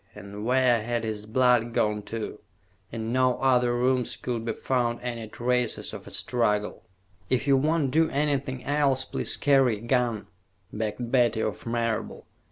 And where had his blood gone to? In no other rooms could be found any traces of a struggle. "If you won't do anything else, please carry a gun," begged Betty of Marable.